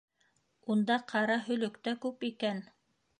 Унда ҡара һөлөк тә күп икән.